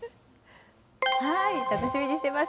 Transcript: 楽しみにしてます。